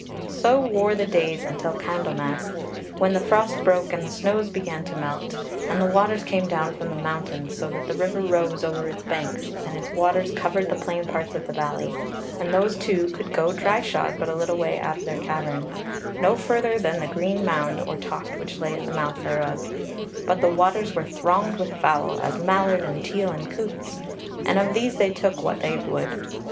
So wore the days till Candlemass, when the frost broke and the snows began to melt, and the waters came down from the mountains, so that the river rose over its banks and its waters covered the plain parts of the valley, and those two could go dryshod but a little way out of their cavern; no further than the green mound or toft which lay at the mouth thereof: but the waters were thronged with fowl, as mallard and teal and coots, and of these they took what they would.